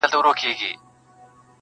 خلاصوي سړی له دین او له ایمانه,